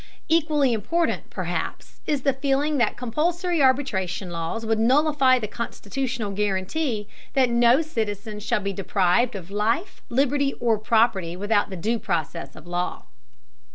Equally important, perhaps, is the feeling that compulsory arbitration laws would nullify the constitutional guarantee that no citizen shall be deprived of life, liberty, or property without due process of law.